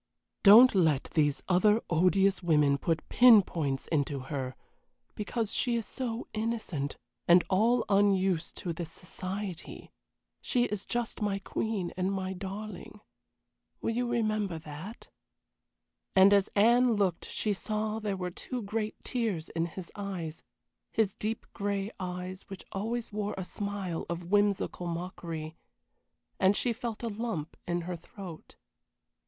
Don't let these other odious women put pin points into her, because she is so innocent, and all unused to this society. She is just my queen and my darling. Will you remember that?" And as Anne looked she saw there were two great tears in his eyes his deep gray eyes which always wore a smile of whimsical mockery and she felt a lump in her throat.